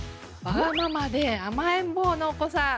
わがままで甘えん坊のお子さん